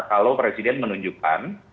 kalau presiden menunjukkan